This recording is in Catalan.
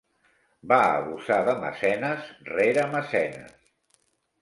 Va abusar de mecenes rere mecenes.